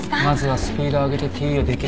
まずはスピーダー上げてＴＥを。